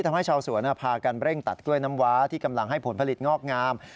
ทำให้ชาวสวนพากันเร่งตัดกล้วยน้ำว้าที่กำลังให้ผลผลิตงอกงาม